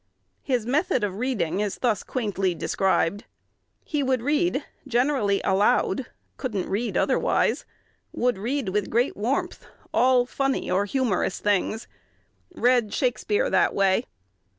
His method of reading is thus quaintly described. "He would read, generally aloud (couldn't read otherwise), would read with great warmth, all funny or humorous things; read Shakspeare that way.